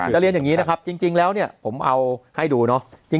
จะเรียนอย่างนี้นะครับจริงแล้วเนี่ยผมเอาให้ดูเนาะ